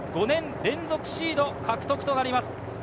５年連続シード獲得となります。